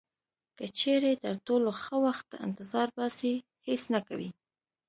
که چیرې تر ټولو ښه وخت ته انتظار باسئ هیڅ نه کوئ.